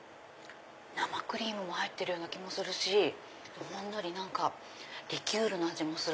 生クリームも入ってるような気もするしほんのりリキュールの味もする。